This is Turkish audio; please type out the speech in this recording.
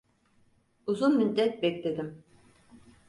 Uzun müddet bekledim.